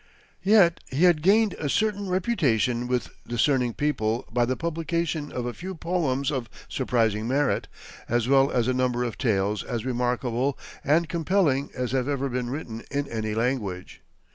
Yet he had gained a certain reputation with discerning people by the publication of a few poems of surprising merit, as well as a number of tales as remarkable and compelling as have ever been written in any language.